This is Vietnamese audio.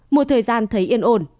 một thời gian thấy yên ổn